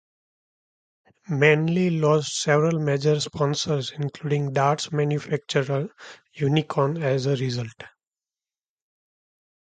Manley lost several major sponsors including darts manufacturer Unicorn as a result.